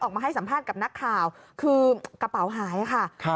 ออกมาให้สัมภาษณ์กับนักข่าวคือกระเป๋าหายค่ะ